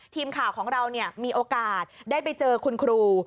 ทีมข่าวของเรามีโอกาสได้ไปเจอคุณครู